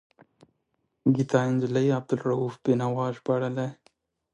ګیتا نجلي عبدالرؤف بینوا ژباړلی.